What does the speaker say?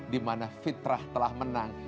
dimana fitrah telah menang